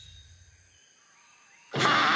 はあ！？